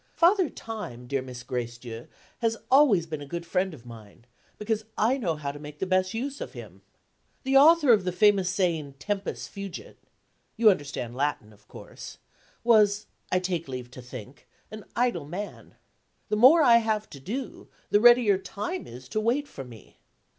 Father Time, dear Miss Gracedieu, has always been a good friend of mine, because I know how to make the best use of him. The author of the famous saying Tempus fugit (you understand Latin, of course) was, I take leave to think, an idle man. The more I have to do, the readier Time is to wait for me.